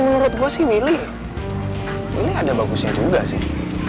menurut gue sih willy ada bagusnya juga sih